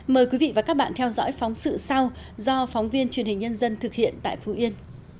mời quý vị và các bạn theo dõi phóng sự sau do phóng viên truyền hình nhân dân thực hiện tại phú yên